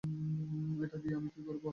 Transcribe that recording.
এটা দিয়ে আমরা কী করব?